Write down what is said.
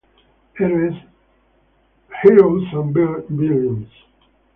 Heroes and Villains